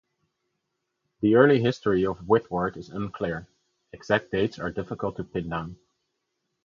The early history of Whitworth is unclear; exact dates are difficult to pin down.